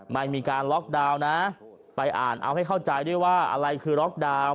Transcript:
ไม่มีการล็อกดาวน์นะไปอ่านเอาให้เข้าใจด้วยว่าอะไรคือล็อกดาวน์